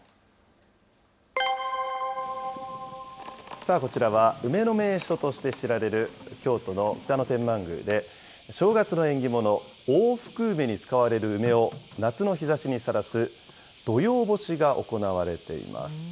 さあ、こちらは、梅の名所として知られる、京都の北野天満宮で、正月の縁起物、大福梅に使われる梅を夏の日ざしにさらす、土用干しが行われています。